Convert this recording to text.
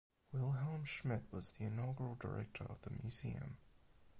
Wilhelm Schmidt was the inaugural director of the museum.